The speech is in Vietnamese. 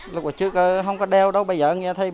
lúc trước không có đeo đâu bây giờ nghe thấy